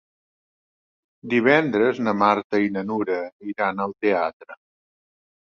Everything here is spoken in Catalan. Divendres na Marta i na Nura iran al teatre.